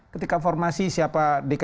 ketika formasi siapa dki sma